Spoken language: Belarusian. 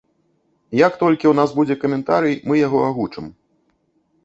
Як толькі ў нас будзе каментарый, мы яго агучым.